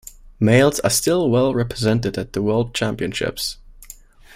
Males are still well represented at the world championships.